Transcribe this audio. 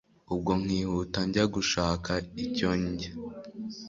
ubwo nkihuta njya gushaka icyo ndya